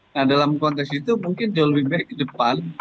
nah dalam konteks itu mungkin lebih baik di depan